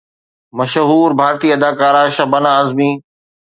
مشهور ڀارتي اداڪاره شبانه اعظمي